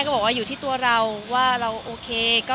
มีปิดฟงปิดไฟแล้วถือเค้กขึ้นมา